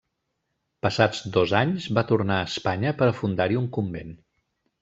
Passats dos anys, va tornar a Espanya per a fundar-hi un convent.